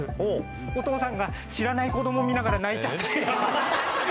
お父さんが、知らない子ども見ながら泣いちゃって。